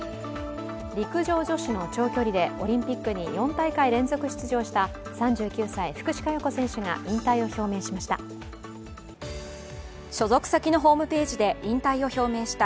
陸上女子の長距離でオリンピックに４大会連続出場した３９歳、福士加代子選手が引退を表明しました。